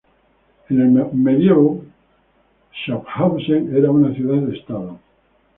En el medioevo Schaffhausen era una ciudad-estado.